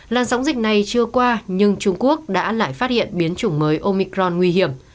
làn sóng dịch này chưa qua nhưng trung quốc đã lại phát hiện biến chủng mới omicron nguy hiểm